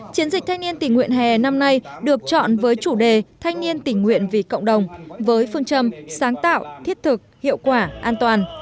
chiến dịch thanh niên tình nguyện hè năm nay được chọn với chủ đề thanh niên tình nguyện vì cộng đồng với phương châm sáng tạo thiết thực hiệu quả an toàn